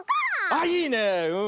あっいいねうん。